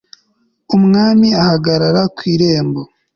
Umwami ahagarara ku irembo